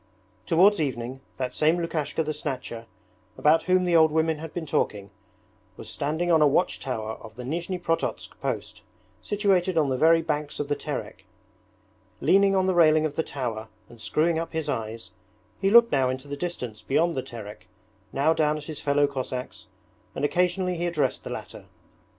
Towards evening, that same Lukashka the Snatcher, about whom the old women had been talking, was standing on a watch tower of the Nizhni Prototsk post situated on the very banks of the Terek. Leaning on the railing of the tower and screwing up his eyes, he looked now far into the distance beyond the Terek, now down at his fellow Cossacks, and occasionally he addressed the latter.